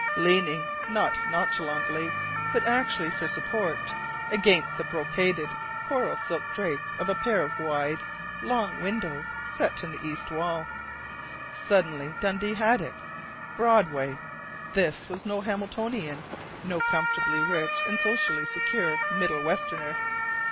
Leaning not nonchalantly, but actually for support against the brocaded coral silk drapes of a pair of wide, long windows set in the east wall. Suddenly Dundee had it.... Broadway! This was no Hamiltonian, no comfortably rich and socially secure Middle westerner.